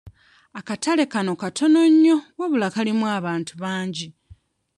Akatale kano katono nnyo wabula kalimu abantu bangi.